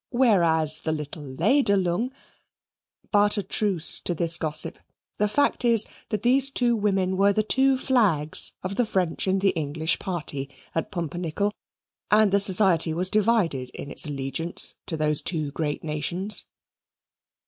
Whereas the little Lederlung but a truce to this gossip the fact is that these two women were the two flags of the French and the English party at Pumpernickel, and the society was divided in its allegiance to those two great nations.